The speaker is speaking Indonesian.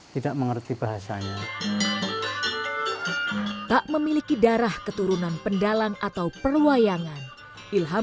tidak mengerti bahasanya tak memiliki darah keturunan pendalang atau perwayangan ilham